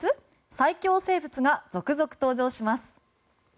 最恐生物が続々登場します！